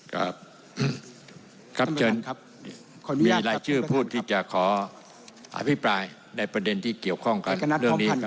ครับเชิญมีหลายชื่อพูดที่จะขออภิปรายในประเด็นที่เกี่ยวข้องกันเรื่องนี้